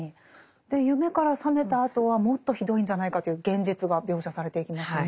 で夢から覚めたあとはもっとひどいんじゃないかという現実が描写されていきますよね。